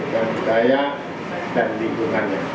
budaya dan lingkungannya